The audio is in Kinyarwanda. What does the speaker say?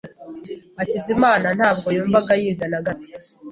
Hakizimana ntabwo yumvaga yiga na gato.